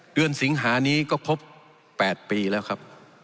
สิงหานี้ก็ครบ๘ปีแล้วครับ